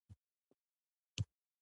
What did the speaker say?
فلم د احساساتو اظهار دی